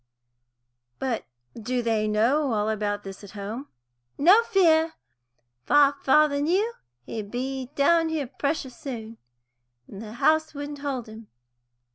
"But do they know about all this at home?" "No fear! If our father knew, he'd be down here precious soon, and the house wouldn't hold him.